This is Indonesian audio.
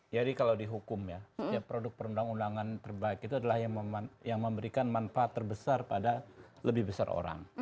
jadi kalau dihukum ya produk perundang undangan terbaik itu adalah yang memberikan manfaat terbesar pada lebih besar orang